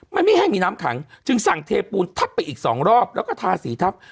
มันไม่ให้มีน้ำขังจึงสั่งเทปูนทับไปอีกสองรอบแล้วก็ทาสีทับ